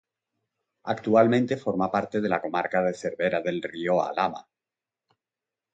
Actualmente forma parte de la Comarca de Cervera del Río Alhama.